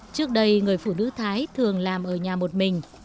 trước đây người phụ nữ thái thường làm ở nhà một mình